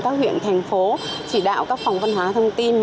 các huyện thành phố chỉ đạo các phòng văn hóa thông tin